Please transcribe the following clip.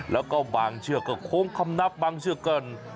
แล้วก็บ่างเชื่อก็โคมคำนับบ่างเชื่อกัน